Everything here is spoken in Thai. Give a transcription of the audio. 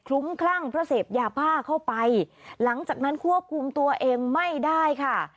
ลุ้มคลั่งเพราะเสพยาบ้าเข้าไปหลังจากนั้นควบคุมตัวเองไม่ได้ค่ะ